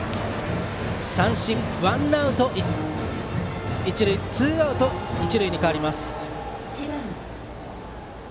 三振、ワンアウト一塁がツーアウト一塁に変わります。